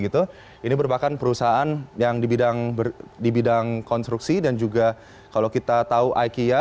ini merupakan perusahaan yang di bidang konstruksi dan juga kalau kita tahu ikea